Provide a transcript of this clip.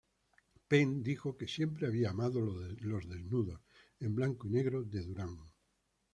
Penn dijo que "siempre había amado los desnudos en blanco y negro de Duran".